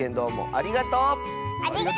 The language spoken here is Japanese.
ありがとう！